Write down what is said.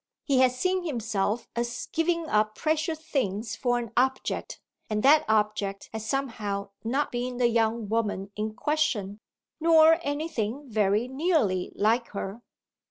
He has seen himself as giving up precious things for an object, and that object has somehow not been the young woman in question, nor anything very nearly like her.